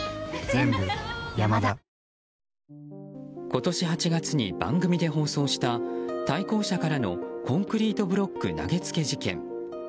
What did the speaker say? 今年８月に番組で放送した対向車からのコンクリートブロック投げ付け事件。